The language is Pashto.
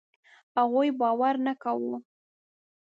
هغوی باور نه کاوه.